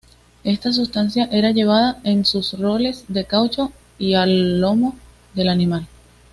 Esta sustancia era llevada en sus roles de caucho y a lomo de animal.